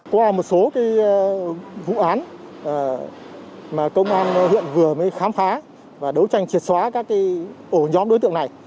qua một số vụ án mà công an huyện vừa mới khám phá và đấu tranh triệt xóa các ổ nhóm đối tượng này